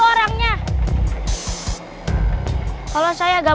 orang nya udah gak ada